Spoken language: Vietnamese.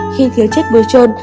khi thiếu chất bôi trơn